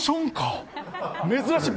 珍しい。